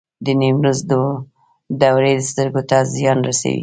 د نیمروز دوړې سترګو ته زیان رسوي؟